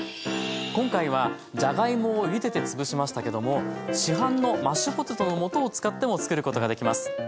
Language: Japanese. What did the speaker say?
今回はじゃがいもをゆでてつぶしましたけども市販のマッシュポテトの素を使っても作ることができます。